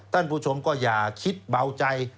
ท่านผู้ชมก็อย่าคิดเบาใจ